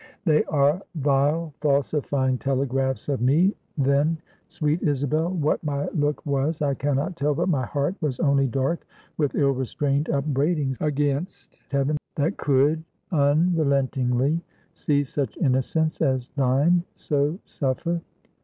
"They are vile falsifying telegraphs of me, then, sweet Isabel. What my look was I can not tell, but my heart was only dark with ill restrained upbraidings against heaven that could unrelentingly see such innocence as thine so suffer.